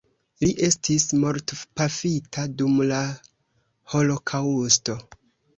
Li estis mortpafita dum la holokaŭsto.